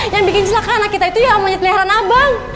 yang bikin selaka anak kita itu ya monyet leheran mbah